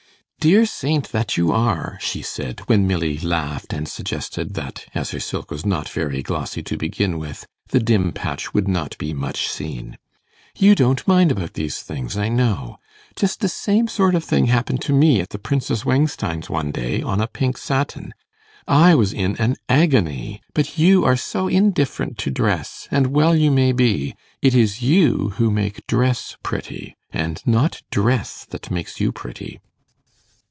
'Dear saint that you are,' she said, when Milly laughed, and suggested that, as her silk was not very glossy to begin with, the dim patch would not be much seen; 'you don't mind about these things, I know. Just the same sort of thing happened to me at the Princess Wengstein's one day, on a pink satin. I was in an agony. But you are so indifferent to dress; and well you may be. It is you who make dress pretty, and not dress that makes you pretty.